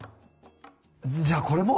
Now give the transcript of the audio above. じゃあこれも？